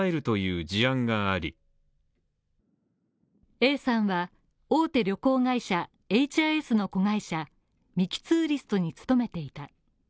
Ａさんは、大手旅行会社エイチ・アイ・エスの子会社、ミキ・ツーリストに勤めていた。